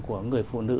của người phụ nữ